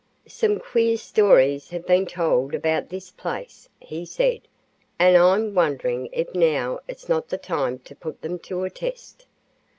"Some queer stories have been told about this place," he said; "and I'm wondering if now is not the time to put them to a test.